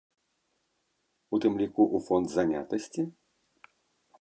У тым ліку ў фонд занятасці?